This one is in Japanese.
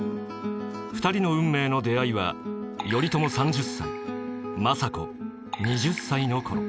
２人の運命の出会いは頼朝３０歳政子２０歳のころ。